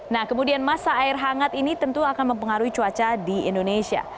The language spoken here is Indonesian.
nah kemudian masa air hangat ini tentu akan mempengaruhi cuaca di indonesia